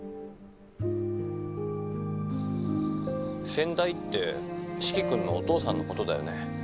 先代って四鬼君のお父さんのことだよね。